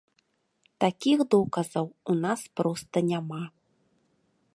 Такіх доказаў у нас проста няма.